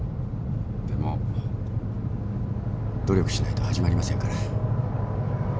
でも努力しないと始まりませんから。